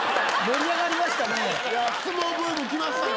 相撲ブームきましたよ！